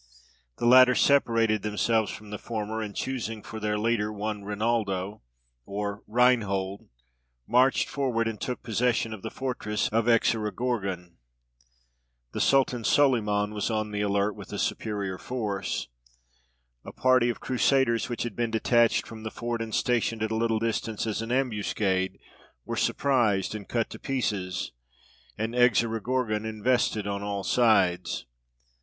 The latter separated themselves from the former, and, choosing for their leader one Reinaldo, or Reinhold, marched forward, and took possession of the fortress of Exorogorgon. The Sultan Solimaun was on the alert, with a superior force. A party of Crusaders, which had been detached from the fort, and stationed at a little distance as an ambuscade, were surprised and cut to pieces, and Exorogorgon invested on all sides.